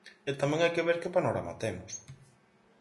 E tamén hai que ver que panorama temos.